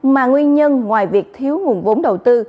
mà nguyên nhân ngoài việc thiếu nguồn vốn đầu tư